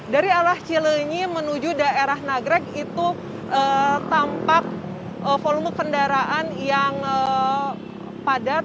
dari arah cilenyi menuju daerah nagrek itu tampak volume kendaraan yang padat